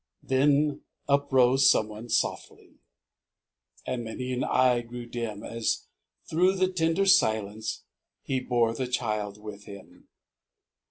Then up rose someone softly : And many an eye grew dim, As through the tender silence He bore the child with him.